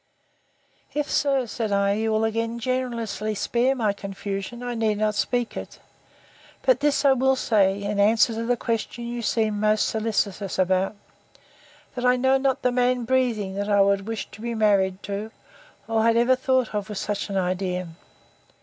If, sir, said I, you will again generously spare my confusion, I need not speak it: But this I will say, in answer to the question you seem most solicitous about, that I know not the man breathing that I would wish to be married to, or that ever I thought of with such an idea.